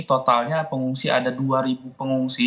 totalnya pengungsi ada dua pengungsi